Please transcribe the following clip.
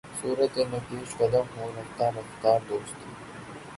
صورتِ نقشِ قدم ہوں رفتۂ رفتارِ دوست